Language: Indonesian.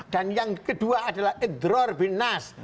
dan yang kedua adalah idhror bin nas